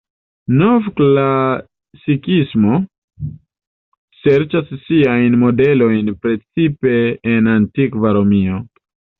Novklasikismo serĉas siajn modelojn precipe en antikva Romio.